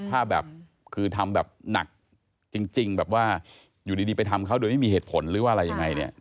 ถ้าแบบคือทำแบบหนักจริงแบบว่าอยู่ดีไปทำเขาโดยไม่มีเหตุผลหรือว่าอะไรยังไงเนี่ย